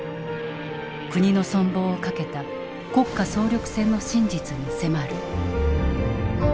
国の存亡をかけた国家総力戦の真実に迫る。